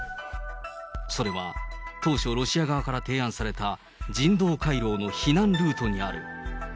それは、当初、ロシア側から提案された、人道回廊の避難ルートにある。